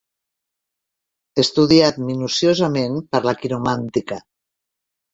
Estudiat minuciosament per la quiromàntica.